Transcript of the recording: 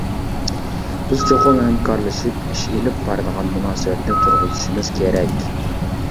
بىز چوقۇم ھەمكارلىشىپ ئىش ئېلىپ بارىدىغان مۇناسىۋەتنى تۇرغۇزۇشىمىز كېرەك.